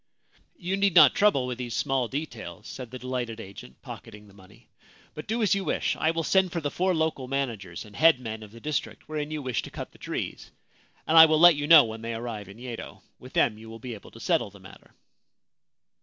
' You need not trouble with these small details,' said the delighted agent, pocketing the money, ' but do as 355 45 A Ancient Tales and Folklore of Japan you wish. I will send for the four local managers and head men of the district wherein you wish to cut the trees, and I will let you know when they arrive in Yedo. With them you will be able to settle the matter.'